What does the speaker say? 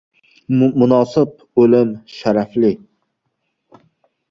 • Munosib o‘lim sharafli.